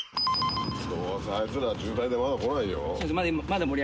どうせあいつら渋滞でまだ来ないよ。